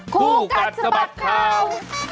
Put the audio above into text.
คู่กัดสะบัดข่าว